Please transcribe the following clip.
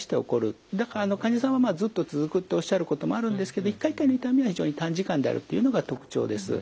だから患者さんはずっと続くっておっしゃることもあるんですけど一回一回の痛みは非常に短時間であるっていうのが特徴です。